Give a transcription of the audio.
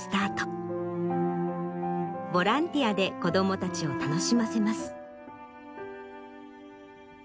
ボランティアで子どもたちを楽しませます。